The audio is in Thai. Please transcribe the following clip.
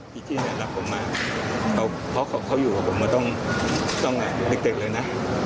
จี้จี้เนี่ยหลับผมมาเพราะเขาอยู่กับผมต้องเล็กเลยนะ